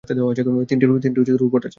তিনটি রোবট আছে।